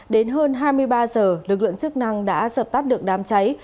đến hơn hai mươi ba giờ lực lượng chức năng đã dập tắt được đám cháy